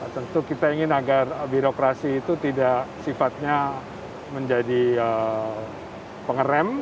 tentu kita ingin agar birokrasi itu tidak sifatnya menjadi pengerem